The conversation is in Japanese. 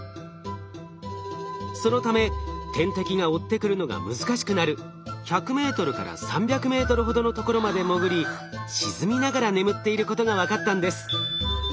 そのため天敵が追ってくるのが難しくなる１００ｍから３００ｍほどの所まで潜り沈みながら眠っていることが分かったんです。